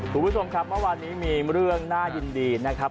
คุณผู้ชมครับเมื่อวานนี้มีเรื่องน่ายินดีนะครับ